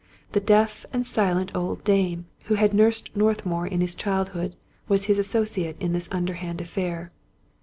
The deaf and silent old dame, who had nursed Northmour in his childhood, was his associate in this underhand affair.